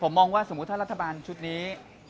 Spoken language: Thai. มองว่าสมมุติถ้ารัฐบาลชุดนี้